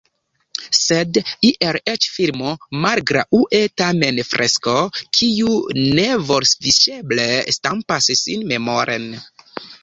Sed iel eĉ filmo Mal-graŭe tamen fresko, kiu neforviŝeble stampas sin memoren.